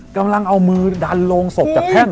กำลังเอามือดันโลงศพจากแท่น